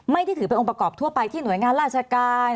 ถือเป็นองค์ประกอบทั่วไปที่หน่วยงานราชการ